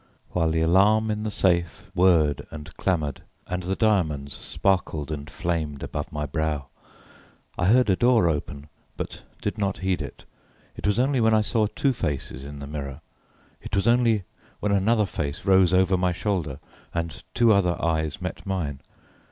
while the alarm in the safe whirred and clamoured, and the diamonds sparkled and flamed above my brow. I heard a door open but did not heed it. It was only when I saw two faces in the mirror: it was only when another face rose over my shoulder, and two other eyes met mine.